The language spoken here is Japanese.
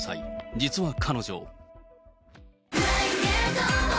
実は彼女。